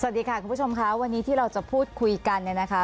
สวัสดีค่ะคุณผู้ชมค่ะวันนี้ที่เราจะพูดคุยกันเนี่ยนะคะ